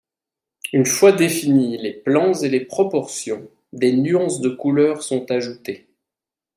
Une fois définis les plans et les proportions, des nuances de couleurs sont ajoutées.